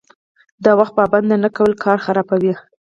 د وخت پابندي نه کول کار خرابوي.